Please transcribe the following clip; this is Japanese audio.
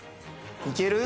いける？